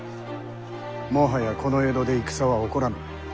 もはやこの江戸で戦は起こらぬ。